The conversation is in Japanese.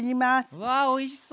うわおいしそう！